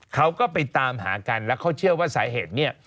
เขาก็ไปตามหากันแล้วเขาเชื่อว่าสาเหตุเนี่ย